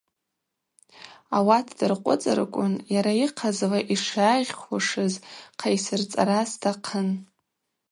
Ауат дыркъвыцӏырквын йара йыхъазла йшагъьхушыз хъайсырцӏара стахъын.